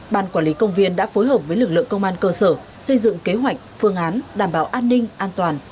ban quản lý công viên đã phối hợp với lực lượng công an cơ sở xây dựng kế hoạch phương án đảm bảo an ninh an toàn